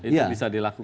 itu bisa dilakukan